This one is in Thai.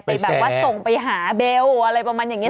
ไปแชร์ส่งไปหาเบลล์อะไรประมาณอย่างนี้